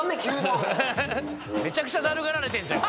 めちゃくちゃだるがられてんじゃん。